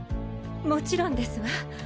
もちろんですわ。